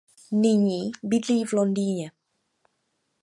Nyní bydlí v Londýně.